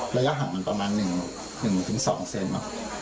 ระยะห่างมันประมาณ๑๒เซน